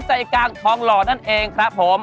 ใจกลางทองหล่อนั่นเองครับผม